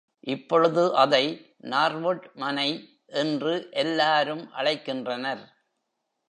இப்பொழுது அதை நார்வுட் மனை என்று எல்லாரும் அழைக்கின்றனர்.